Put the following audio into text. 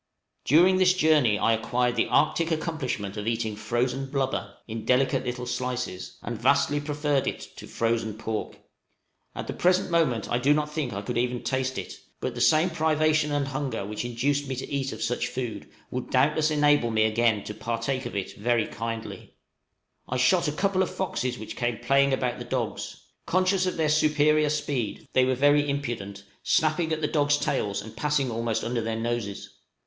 {ARCTIC FARE.} During this journey I acquired the Arctic accomplishment of eating frozen blubber, in delicate little slices, and vastly preferred it to frozen pork. At the present moment I do not think I could even taste it, but the same privation and hunger which induced me to eat of such food would doubtless enable me again to partake of it very kindly. I shot a couple of foxes which came playing about the dogs; conscious of their superior speed, they were very impudent, snapping at the dogs' tails, and passing almost under their noses.